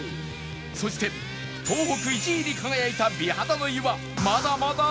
そして東北１位に輝いた美肌の湯はまだまだ先